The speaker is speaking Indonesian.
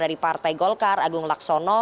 dari partai golkar agung laksono